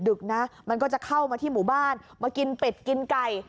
ดึกนะมันก็จะเข้ามาที่หมู่บ้านมากินเป็ดกินไก่